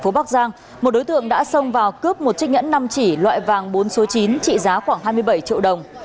phố bắc giang một đối tượng đã xông vào cướp một chiếc nhẫn năm chỉ loại vàng bốn số chín trị giá khoảng hai mươi bảy triệu đồng